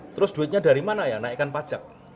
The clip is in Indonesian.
terus duitnya dari mana ya naikkan pajak